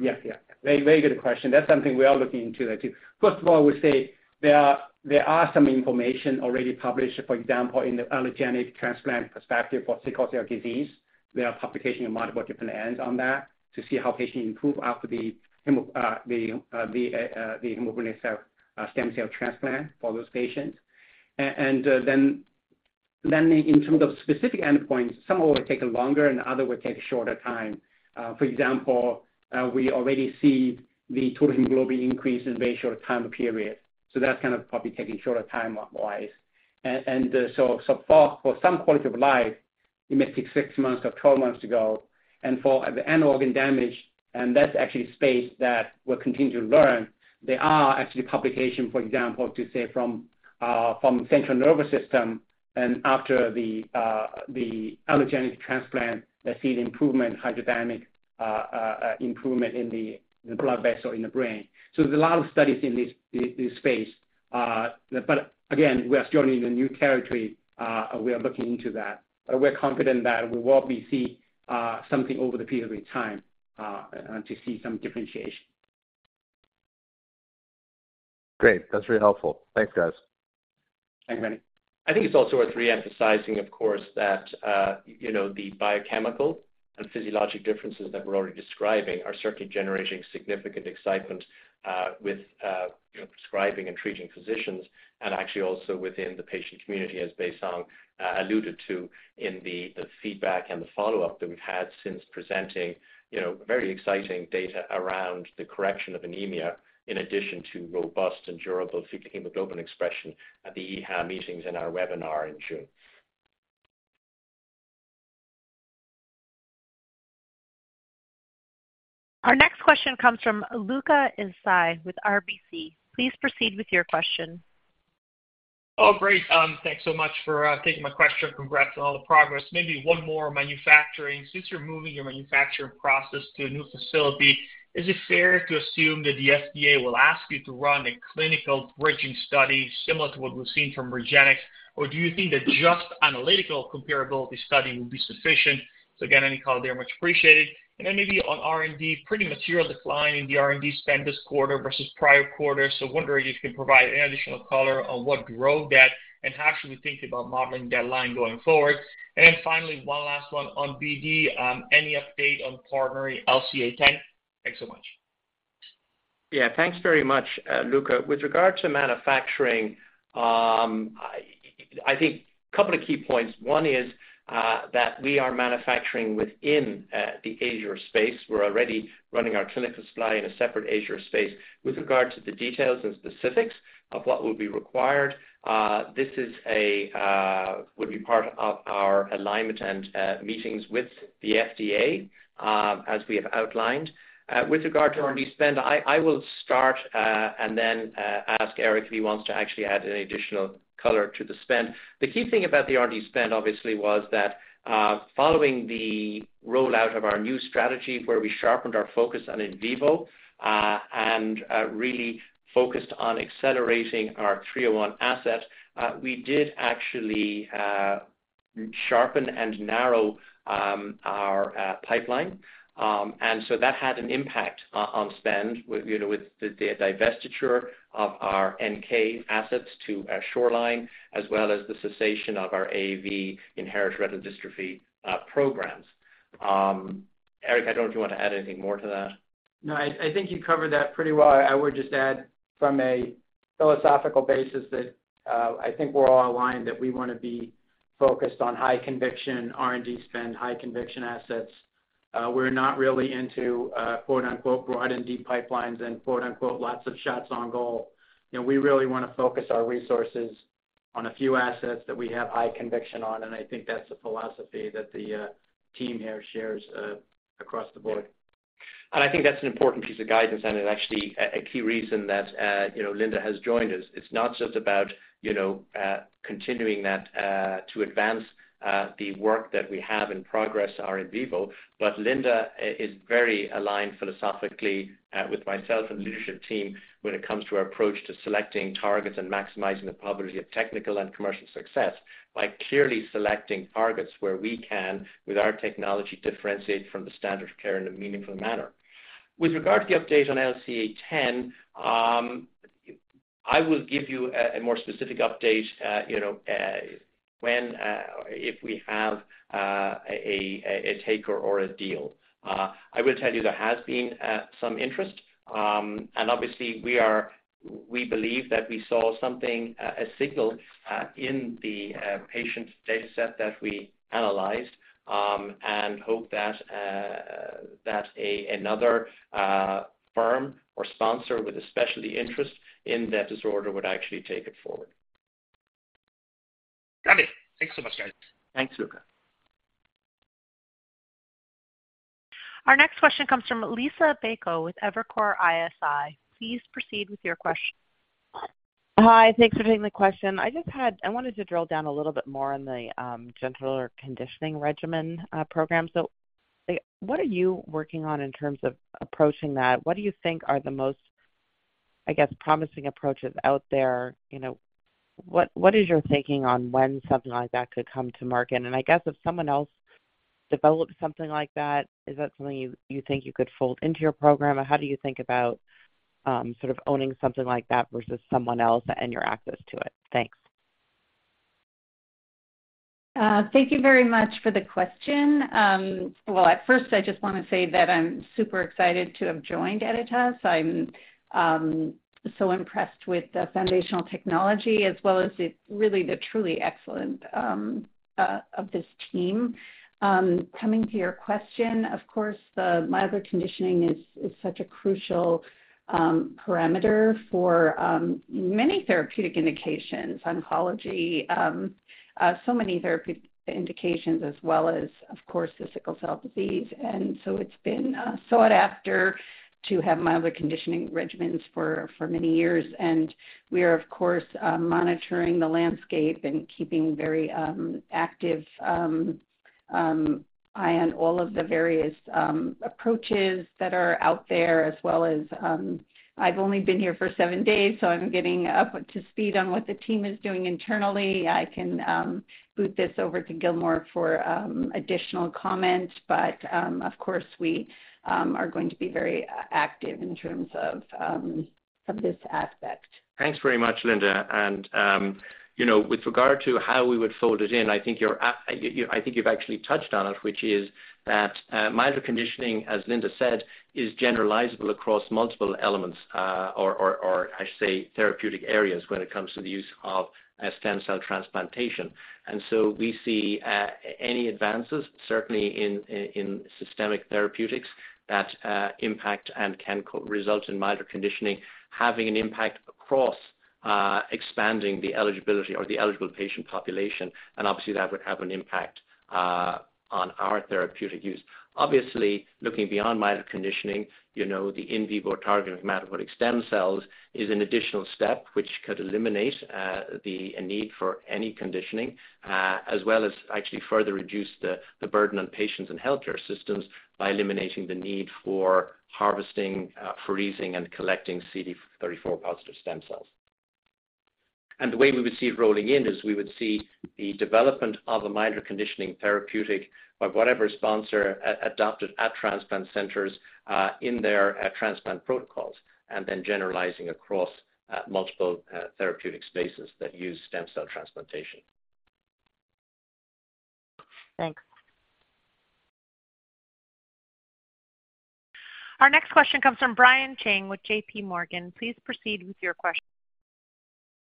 Yes, yeah. Very, very good question. That's something we are looking into that, too. First of all, I would say there are some information already published, for example, in the allogeneic transplant perspective for sickle cell disease. There are publication in multiple different ends on that to see how patients improve after the hemo- the hemoglobin cell stem cell transplant for those patients. Then in terms of specific endpoints, some will take longer, and other will take a shorter time. For example, we already see the total hemoglobin increase in very short time period, so that's kind of probably taking shorter time-wise. So for some quality of life, it may take six months or 12 months to go. For the end organ damage, and that's actually space that we're continuing to learn, there are actually publication, for example, to say from, from central nervous system and after the, the allogeneic transplant, they see the improvement, hydrodynamic improvement in the blood vessel in the brain. There's a lot of studies in this, this space. Again, we are still in a new territory, we are looking into that. We're confident that we will be see something over the period of time, and to see some differentiation.
Great. That's very helpful. Thanks, guys.
Thanks, Manny.
I think it's also worth re-emphasizing, of course, that, you know, the biochemical and physiologic differences that we're already describing are certainly generating significant excitement, with, you know, prescribing and treating physicians, and actually also within the patient community, as Beisong alluded to in the, the feedback and the follow-up that we've had since presenting, you know, very exciting data around the correction of anemia, in addition to robust and durable fetal hemoglobin expression at the EHA meetings and our webinar in June.
Our next question comes from Luca Issi with RBC. Please proceed with your question.
Oh, great. Thanks so much for taking my question. Congrats on all the progress. Maybe one more manufacturing. Since you're moving your manufacturing process to a new facility, is it fair to assume that the FDA will ask you to run a clinical bridging study similar to what we've seen from REGENXBIO, or do you think that just analytical comparability study will be sufficient? Again, any color there, much appreciated. Then maybe on R&D, pretty material decline in the R&D spend this quarter versus prior quarter, wondering if you can provide any additional color on what drove that and how should we think about modeling that line going forward. Finally, one last one on BD, any update on partnering LCA10? Thanks so much.
Yeah, thanks very much, Luca. With regard to manufacturing, I, I think a couple of key points. One is that we are manufacturing within the Azenta space. We're already running our clinical supply in a separate Azenta space. With regard to the details and specifics of what will be required, this is a would be part of our alignment and meetings with the FDA as we have outlined. With regard to R&D spend, I, I will start and then ask Eric if he wants to actually add any additional color to the spend. The key thing about the R&D spend, obviously, was that, following the rollout of our new strategy, where we sharpened our focus on in vivo, and really focused on accelerating our 301 asset, we did actually sharpen and narrow our pipeline. And so that had an impact on spend with, you know, with the divestiture of our NK assets to Shoreline, as well as the cessation of our AAV inherited retinal dystrophy programs. Eric, I don't know if you want to add anything more to that?
No, I, I think you covered that pretty well. I would just add from a philosophical basis that, I think we're all aligned, that we want to be focused on high conviction R&D spend, high conviction assets. We're not really into, quote-unquote, "broad and deep pipelines" and quote-unquote, "lots of shots on goal." You know, we really want to focus our resources on a few assets that we have high conviction on, and I think that's the philosophy that the team here shares, across the board.
I think that's an important piece of guidance, and actually a, a key reason that, you know, Linda has joined us. It's not just about, you know, continuing that, to advance, the work that we have in progress or in vivo, but Linda is very aligned philosophically, with myself and the leadership team when it comes to our approach to selecting targets and maximizing the probability of technical and commercial success, by clearly selecting targets where we can, with our technology, differentiate from the standard of care in a meaningful manner. With regard to the update on LCA10, I will give you a, a more specific update, you know, when, if we have, a taker or a deal. I will tell you there has been some interest. Obviously, we believe that we saw something, a signal, in the patient dataset that we analyzed. Hope that another firm or sponsor with a specialty interest in that disorder would actually take it forward.
Got it. Thanks so much, guys.
Thanks, Luca.
Our next question comes from Liisa Bayko with Evercore ISI. Please proceed with your question.
Hi, thanks for taking the question. I just had I wanted to drill down a little bit more on the gentler conditioning regimen program. What are you working on in terms of approaching that? What do you think are the most, I guess, promising approaches out there? You know, what, what is your thinking on when something like that could come to market? I guess if someone else developed something like that, is that something you, you think you could fold into your program? Or how do you think about sort of owning something like that versus someone else and your access to it? Thanks.
Thank you very much for the question. Well, at first, I just want to say that I'm super excited to have joined Editas. I'm so impressed with the foundational technology as well as the, really, the truly excellent of this team. Coming to your question, of course, the milder conditioning is, is such a crucial parameter for many therapeutic indications, oncology, so many therapeutic indications, as well as, of course, the sickle cell disease. So it's been sought after to have milder conditioning regimens for, for many years. We are, of course, monitoring the landscape and keeping very, active, eye on all of the various, approaches that are out there, as well as, I've only been here for seven days, so I'm getting up to speed on what the team is doing internally. I can boot this over to Gilmore for additional comments, but, of course, we are going to be very active in terms of, of this aspect.
Thanks very much, Linda. You know, with regard to how we would fold it in, I think you've actually touched on it, which is that milder conditioning, as Linda said, is generalizable across multiple elements, or I should say, therapeutic areas when it comes to the use of stem cell transplantation. We see any advances, certainly in, in, in systemic therapeutics that impact and can result in milder conditioning, having an impact across expanding the eligibility or the eligible patient population, and obviously, that would have an impact on our therapeutic use. Obviously, looking beyond milder conditioning, you know, the in vivo targeting of hematopoietic stem cells is an additional step which could eliminate the need for any conditioning, as well as actually further reduce the burden on patients and healthcare systems by eliminating the need for harvesting, freezing, and collecting CD34+ cells. The way we would see it rolling in is we would see the development of a milder conditioning therapeutic by whatever sponsor adopted at transplant centers, in their transplant protocols, and then generalizing across multiple therapeutic spaces that use stem cell transplantation.
Thanks.
Our next question comes from Brian Cheng with JPMorgan. Please proceed with your question.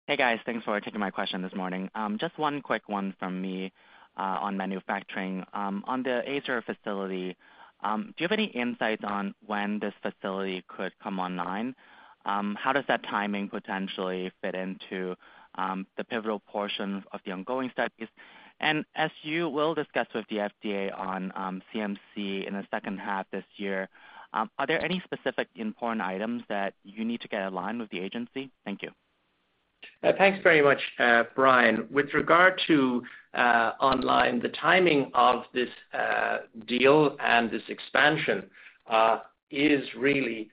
Hey, guys. Thanks for taking my question this morning. Just one quick one from me on manufacturing. On the Azenta facility, do you have any insight on when this facility could come online? How does that timing potentially fit into the pivotal portion of the ongoing studies? As you will discuss with the FDA on CMC in the second half this year, are there any specific important items that you need to get aligned with the agency? Thank you.
Thanks very much, Brian. With regard to online, the timing of this deal and this expansion is really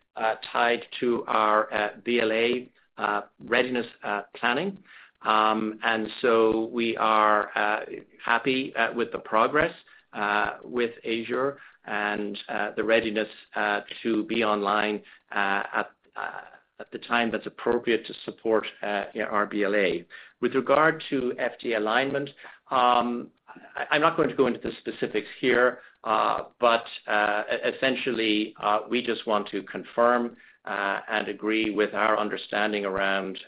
tied to our BLA readiness planning. So we are happy with the progress with Azenta and the readiness to be online at, at the time that's appropriate to support our BLA. With regard to FDA alignment, I'm not going to go into the specifics here, but essentially, we just want to confirm and agree with our understanding around,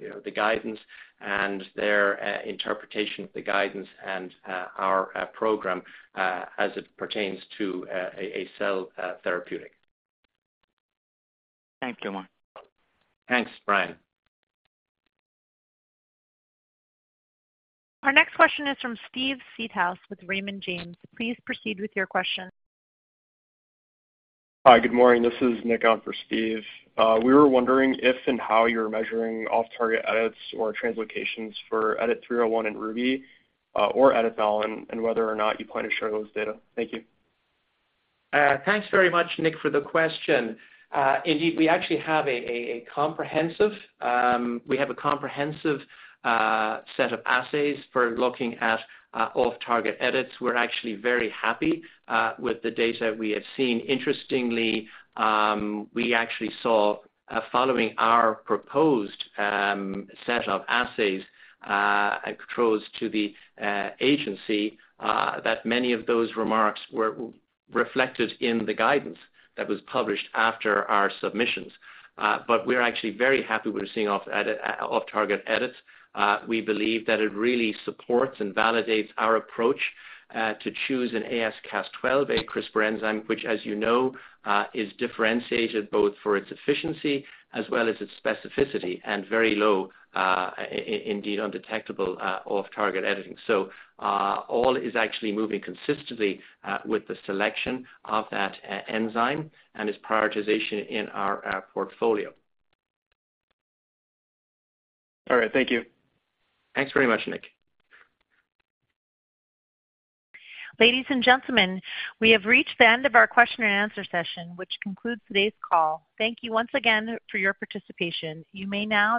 you know, the guidance and their interpretation of the guidance and our program as it pertains to a cell therapeutic.
Thank you, Mark.
Thanks, Brian.
Our next question is from Steve Seedhouse with Raymond James. Please proceed with your question.
Hi, good morning. This is Nick out for Steve. We were wondering if and how you're measuring off-target edits or translocations for EDIT-301 in RUBY, or Editasil, and whether or not you plan to share those data. Thank you.
Thanks very much, Nick, for the question. Indeed, we actually have a, a comprehensive, we have a comprehensive set of assays for looking at off-target edits. We're actually very happy with the data we have seen. Interestingly, we actually saw following our proposed set of assays and controls to the agency that many of those remarks were reflected in the guidance that was published after our submissions. We're actually very happy with seeing off-target edits. We believe that it really supports and validates our approach to choose an AsCas12a, a CRISPR enzyme, which, as you know, is differentiated both for its efficiency as well as its specificity, and very low, indeed undetectable, off-target editing. All is actually moving consistently with the selection of that enzyme and its prioritization in our portfolio.
All right. Thank you.
Thanks very much, Nick.
Ladies and gentlemen, we have reached the end of our question and answer session, which concludes today's call. Thank you once again for your participation. You may now.